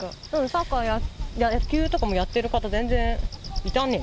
サッカー、野球とかもやってる方、全然いたね。